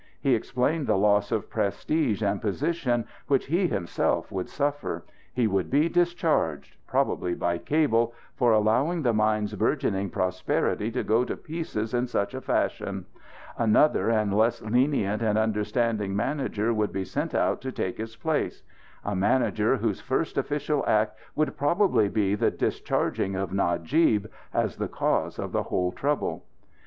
He explained the loss of prestige and position which he himself would suffer. He would be discharged probably by cable for allowing the mine's bourgeoning prosperity to go to pieces in such fashion. Another and less lenient and understanding manager would be sent out to take his place. A manager whose first official act would probably be the discharging of Najib as the cause of the whole trouble.